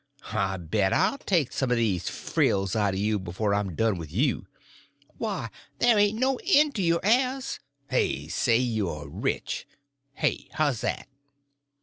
I bet I'll take some o' these frills out o' you before I'm done with you. Why, there ain't no end to your airs—they say you're rich. Hey?—how's that?"